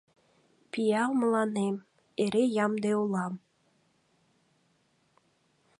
Пиал мыланем, эре ямде улам.